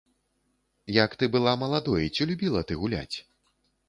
Як ты была маладой, ці любіла ты гуляць?